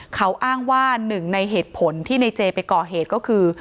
เขาอ้างว่าหนึ่งในเหตุผลที่ในเจไปก่อเหตุก็คือ